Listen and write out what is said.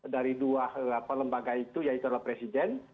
dari dua lembaga itu yaitu adalah presiden